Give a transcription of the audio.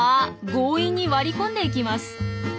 強引に割り込んでいきます。